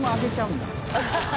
ハハハ